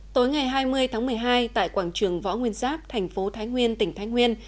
tối ngày hai mươi tháng một mươi hai tại quảng trường võ nguyên giáp thành phố thái nguyên tỉnh thái nguyên